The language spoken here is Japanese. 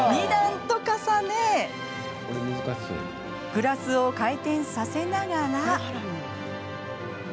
２段と重ねグラスを回転させながら。